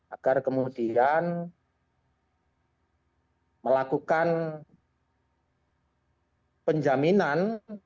agar kemudian melakukan penjaminan